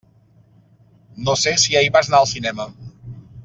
No sé si ahir vas anar al cinema.